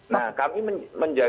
nah kami menjaga